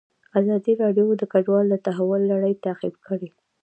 ازادي راډیو د کډوال د تحول لړۍ تعقیب کړې.